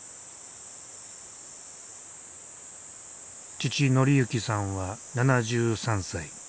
父紀幸さんは７３歳。